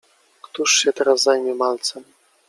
Któż się teraz zajmie malcem?